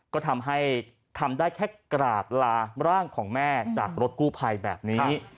ก็ทำให้ทำได้แค่กราบลาร่างของแม่จากรถกู้ภัยแบบนี้